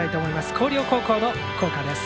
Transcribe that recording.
広陵高校の校歌です。